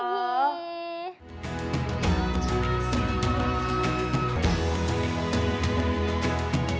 tapi tangannya begini nih karena aku takut